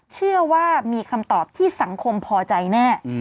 เชื่อว่ามีคำตอบที่สังคมพอใจแน่